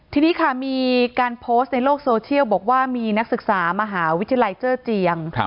ทีนี้ค่ะมีการโพสต์ในโลกโซเชียลบอกว่ามีนักศึกษามหาวิทยาลัยเจอร์เจียง